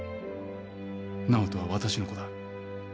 直人は私の子だ。